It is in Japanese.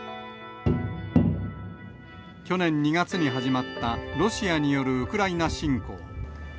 去年２月に始まったロシアによるウクライナ侵攻。